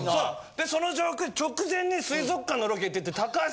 でその状況に直前に水族館のロケ行ってて。